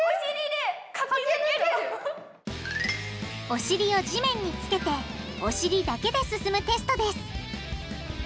お尻を地面につけてお尻だけで進むテストです